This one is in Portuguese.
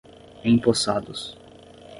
empossados